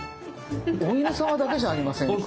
お犬さまだけじゃありませんか。